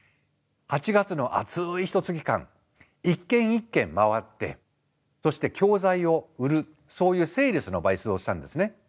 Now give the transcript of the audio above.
８月の暑いひとつき間一軒一軒回ってそして教材を売るそういうセールスのバイトをしたんですね。